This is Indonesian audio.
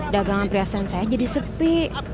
dagangan pria sensei jadi sepi